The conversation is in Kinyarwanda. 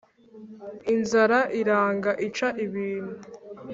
inzara iranga ica ibintu.